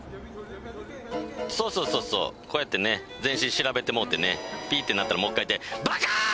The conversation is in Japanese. そうそうそうそうこうやってね全身調べてもうてねピーって鳴ったらもう一回ってバカ！